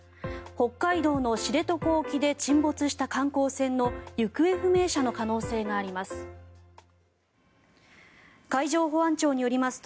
北海道の知床沖で沈没した観光船の行方不明者の可能性があります。